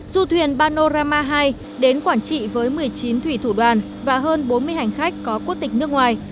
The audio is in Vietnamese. du thuyền panorama hai đến quảng trị với một mươi chín thủy thủ đoàn và hơn bốn mươi hành khách có quốc tịch nước ngoài